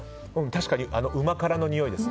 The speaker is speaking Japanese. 確かにうま辛のにおいです。